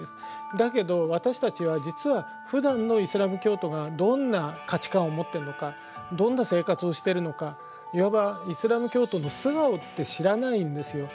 だけど私たちは実はふだんのイスラーム教徒がどんな価値観を持ってるのかどんな生活をしてるのかいわばイスラーム教徒の素顔って知らないんですよ。